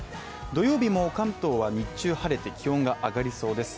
土曜日も関東は日中晴れて気温が上がりそうです。